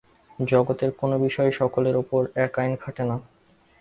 জগতের কোন বিষয়েই সকলের উপর এক আইন খাটে না।